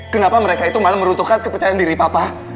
kenapa mereka itu malah meruntuhkan kepercayaan diri papa